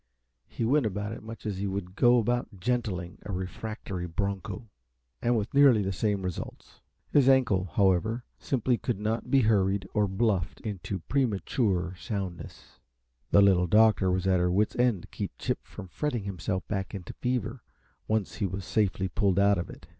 He went about it much as he would go about gentling a refractory broncho, and with nearly the same results. His ankle, however, simply could not be hurried or bluffed into premature soundness, and the Little Doctor was at her wits' end to keep Chip from fretting himself back into fever, once he was safely pulled out of it.